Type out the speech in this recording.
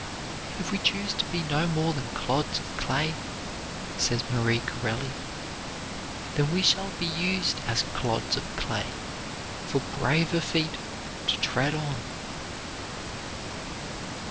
"If we choose to be no more than clods of clay," says Marie Corelli, "then we shall be used as clods of clay for braver feet to tread on."